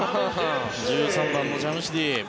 １３番のジャムシディ。